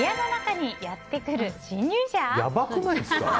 やばくないですか？